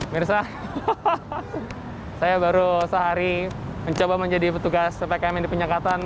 mirsa saya baru sehari mencoba menjadi petugas ppkm di penyekatan